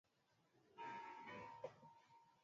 tarehe tatu mwezi wa tano mwaka elfu mbili na ishirini